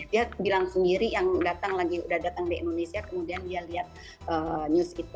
dia bilang sendiri yang datang lagi udah datang di indonesia kemudian dia lihat news gitu